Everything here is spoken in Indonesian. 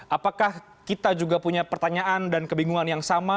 apakah kita juga punya pertanyaan dan kebingungan yang sama